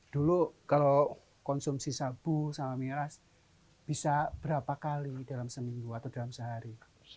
dulu kalau konsumsi sabu sama miras bisa berapa kali dalam seminggu atau dalam sehari